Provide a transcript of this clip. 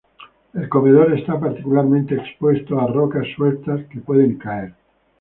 El corredor está particularmente expuesto a rocas sueltas que pueden caer.